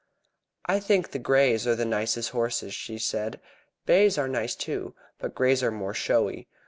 "I think that greys are the nicest horses," she said. "Bays are nice too, but greys are more showy.